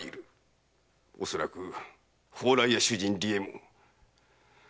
おそらく蓬莱屋主人・理右衛門。